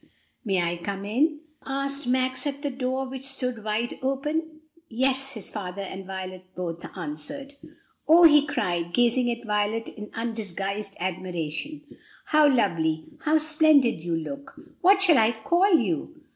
"May I come in?" asked Max at the door, which stood wide open. "Yes," his father and Violet both answered. "Oh!" he cried, gazing at Violet in undisguised admiration, "how lovely, how splendid you look! What shall I call you?